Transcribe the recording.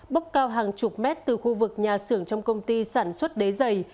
bốc cao hàng chục mét từ khu vực nhà xưởng trong công ty sản xuất đế dày